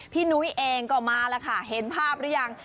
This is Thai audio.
นุ้ยเองก็มาแล้วค่ะเห็นภาพหรือยัง